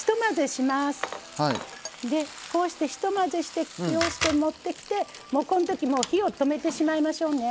でこうしてひと混ぜして持ってきてこの時もう火を止めてしまいましょうね。